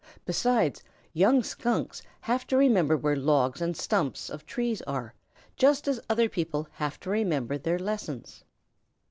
Besides, young Skunks have to remember where logs and stumps of trees are, just as other people have to remember their lessons.